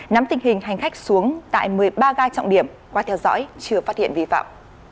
nắm tình hình hành khách xuống tại một mươi ba ga trọng điểm qua theo dõi chưa phát hiện vi phạm